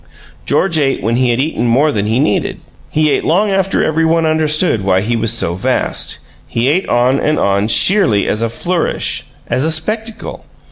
George ate when he had eaten more than he needed; he ate long after every one understood why he was so vast; he ate on and on sheerly as a flourish as a spectacle.